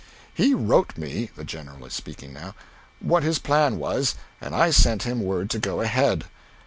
"He wrote me" (the General is speaking) "what his plan was, and I sent him word to go ahead.